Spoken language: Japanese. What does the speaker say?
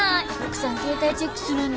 奥さん携帯チェックするんだ。